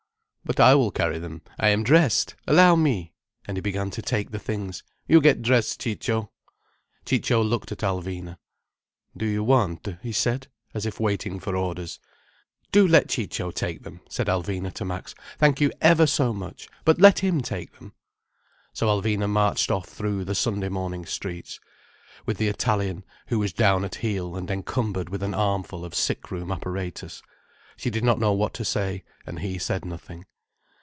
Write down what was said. "But I will carry them. I am dressed. Allow me—" and he began to take the things. "You get dressed, Ciccio." Ciccio looked at Alvina. "Do you want?" he said, as if waiting for orders. "Do let Ciccio take them," said Alvina to Max. "Thank you ever so much. But let him take them." So Alvina marched off through the Sunday morning streets, with the Italian, who was down at heel and encumbered with an armful of sick room apparatus. She did not know what to say, and he said nothing.